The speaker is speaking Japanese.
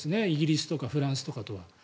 イギリスとかフランスとかとは。